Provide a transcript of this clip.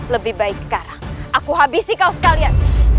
lebih baik sekarang aku habisi kau sekalian